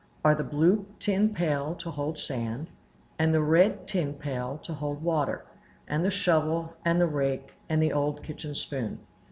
are the blue tin pail to hold sand, and the red tin pail to hold water, and the shovel, and the rake, and the old kitchen spoon.